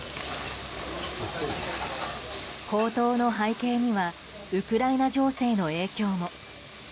高騰の背景にはウクライナ情勢の影響も。